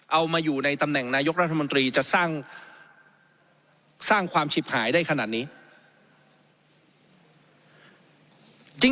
เอามาอยู่ในตำแหน่งนายกรัฐมนตรีจะสร้างความฉิบหายได้ขนาดนี้